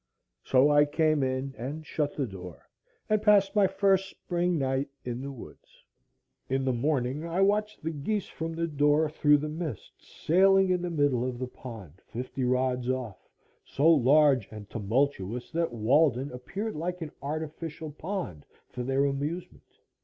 So I came in, and shut the door, and passed my first spring night in the woods. In the morning I watched the geese from the door through the mist, sailing in the middle of the pond, fifty rods off, so large and tumultuous that Walden appeared like an artificial pond for their amusement.